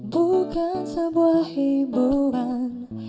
bukan sebuah hiburan